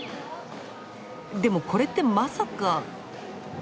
でもこれってまさか！？